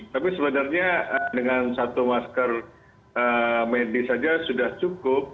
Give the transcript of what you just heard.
tapi sebenarnya dengan satu masker medis saja sudah cukup